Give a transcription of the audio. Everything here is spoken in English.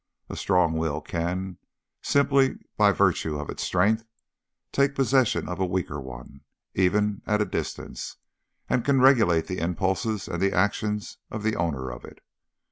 A strong will can, simply by virtue of its strength, take possession of a weaker one, even at a distance, and can regulate the impulses and the actions of the owner of it.